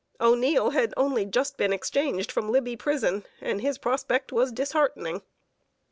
O'Neil had only just been exchanged from Libby Prison, and his prospect was disheartening.